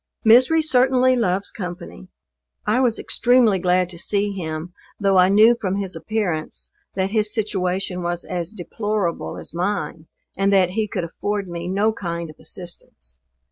Misery certainly loves company. I was extremely glad to see him, though I knew from his appearance, that his situation was as deplorable as mine, and that he could afford me no kind of assistance.